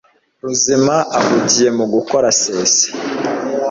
Rusizama ahugiye mu gukora se se.